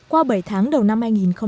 qua bảy tháng đầu năm hai nghìn một mươi sáu